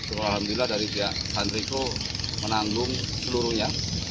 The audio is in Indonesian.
alhamdulillah dari dia san rico menanggung seluruhnya